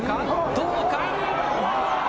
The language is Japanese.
どうか？